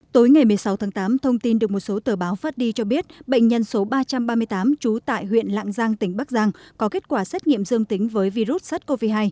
tối ngày một mươi sáu tháng tám thông tin được một số tờ báo phát đi cho biết bệnh nhân số ba trăm ba mươi tám trú tại huyện lạng giang tỉnh bắc giang có kết quả xét nghiệm dương tính với virus sars cov hai